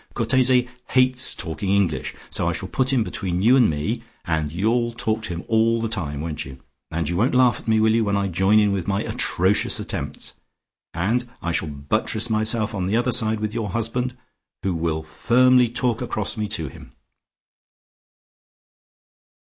"Cortese hates talking English, so I shall put him between you and me, and you'll talk to him all the time, won't you? And you won't laugh at me, will you, when I join in with my atrocious attempts? And I shall buttress myself on the other side with your husband, who will firmly talk across me to him."